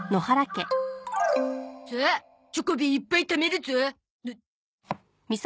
さあチョコビいっぱいためるゾ。